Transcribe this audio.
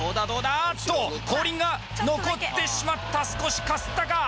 あっと後輪が残ってしまった少しかすったか？